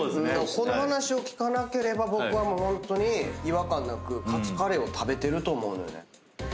この話を聞かなければ僕はホントに違和感なくカツカレーを食べてると思うのよね。